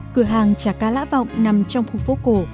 cửa hàng chả cá lã vọng nằm trong khu phố cổ